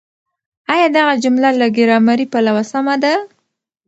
آيا دغه جمله له ګرامري پلوه سمه ده؟